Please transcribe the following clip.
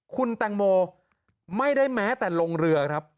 คุณแตงโมไม่ได้แม้แต่ลงเรือครับ